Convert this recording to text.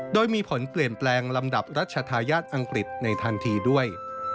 โดยมีผลเปลี่ยนแปลงลำดับรัชธาญาติอังกฤษในทันทีด้วย